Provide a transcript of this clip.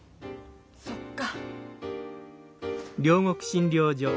そっか。